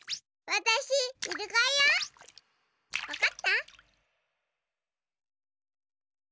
わかった？